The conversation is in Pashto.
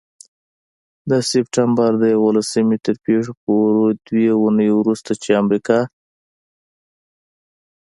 د سپټمبر د یوولسمې تر پيښو دوې اونۍ وروسته، چې امریکا